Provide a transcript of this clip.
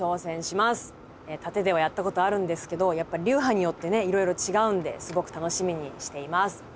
殺陣ではやったことあるんですけどやっぱり流派によってねいろいろ違うんですごく楽しみにしています。